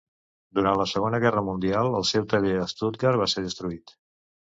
Durant la segona guerra mundial el seu taller a Stuttgart va ser destruït.